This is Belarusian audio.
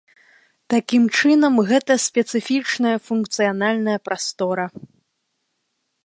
Такім чынам гэта спецыфічная функцыянальная прастора.